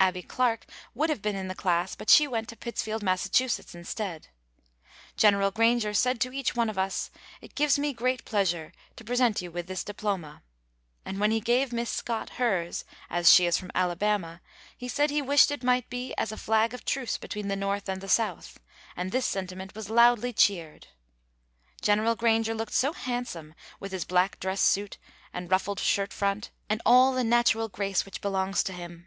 Abbie Clark would have been in the class, but she went to Pittsfield, Mass., instead. General Granger said to each one of us, "It gives me great pleasure to present you with this diploma," and when he gave Miss Scott hers, as she is from Alabama, he said he wished it might be as a flag of truce between the North and the South, and this sentiment was loudly cheered. General Granger looked so handsome with his black dress suit and ruffled shirt front and all the natural grace which belongs to him.